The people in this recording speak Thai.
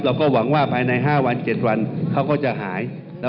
เราก็หวังว่าภายใน๕วัน๗วันเขาก็จะหาย